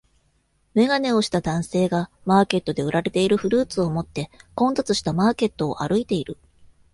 眼鏡をした男性がマーケットで売られているフルーツをもって混雑したマーケットを歩いている。